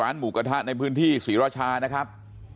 หมูกระทะในพื้นที่ศรีราชานะครับ